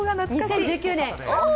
２０１９年。